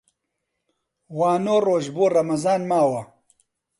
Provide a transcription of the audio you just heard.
وا نۆ ڕۆژ بۆ ڕەمەزان ماوە